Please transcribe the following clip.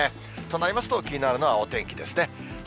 となりますと、気になりますのはお天気ですね。